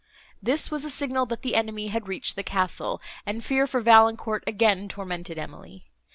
This was a signal, that the enemy had reached the castle, and fear for Valancourt again tormented Emily.